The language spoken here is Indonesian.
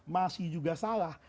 masih juga salah